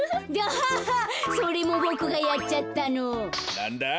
なんだ！？